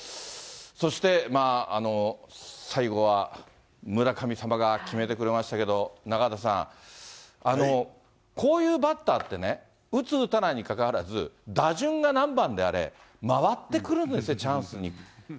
そして最後は村神様が決めてくれましたけど、中畑さん、こういうバッターってね、打つ打たないにかかわらず、打順が何番であれ、回ってくるんですね、チャンスに。